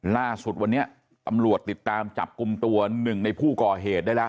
ล่าสุดวันนี้ตำรวจติดตามจับกลุ่มตัวหนึ่งในผู้ก่อเหตุได้แล้ว